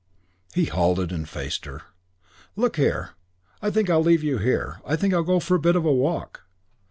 He halted and faced her. "Look here, I think I'll leave you here. I think I'll go for a bit of a walk."